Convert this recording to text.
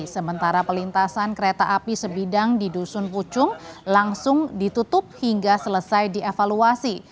sementara pelintasan kereta api sebidang di dusun pucung langsung ditutup hingga selesai dievaluasi